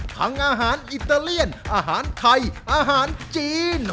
อาหารอิตาเลียนอาหารไทยอาหารจีน